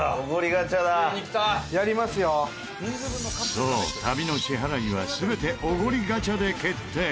そう旅の支払いは全てオゴリガチャで決定！